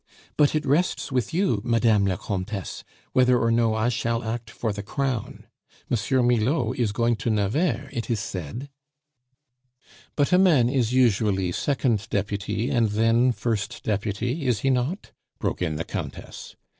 "But it rests with you, Madame la Comtesse, whether or no I shall act for the Crown. M. Milaud is going to Nevers, it is said " "But a man is usually second deputy and then first deputy, is he not?" broke in the Countess.